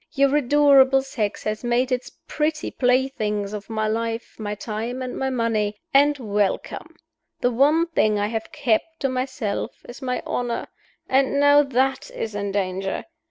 Your adorable sex has made its pretty playthings of my life, my time, and my money and welcome! The one thing I have kept to myself is my honor. And now that is in danger.